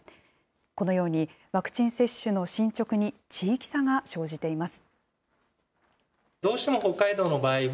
このようにワクチン接種の進捗に地域差が生じています。